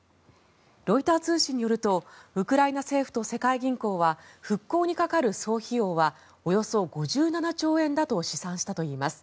ロイター通信によるとウクライナ政府と世界銀行は復興にかかる総費用はおよそ５７兆円だと試算したといいます。